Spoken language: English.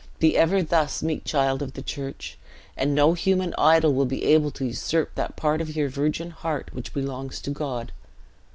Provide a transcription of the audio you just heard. Be ever thus, meek child of the church, and no human idol will be able to usurp that part of your virgin heart which belongs to God."